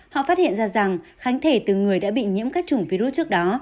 họ phát hiện ra rằng kháng thể từ người đã bị nhiễm các chủng virus trước đó